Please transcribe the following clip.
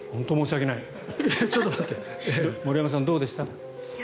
森山さん、どうでした？